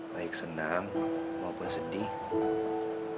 baik senang maupun sedih